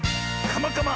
「カマカマ！